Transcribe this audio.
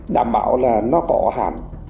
đảm bảo là nó có ở hàn